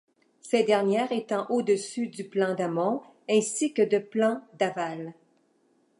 Ces dernières étant au-dessus de Plan d'Amont ainsi que de Plan d'Aval.